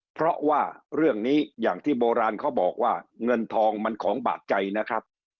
เพราะว่าเรื่องนี้อย่างที่โบราณเขาบอกว่าเงินทองมันของบาดใจนะครับ